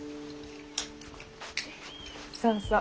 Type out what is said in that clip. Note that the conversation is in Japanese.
そうそう。